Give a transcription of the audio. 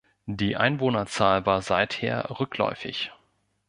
Die Einwohnerzahl war seither rückläufig.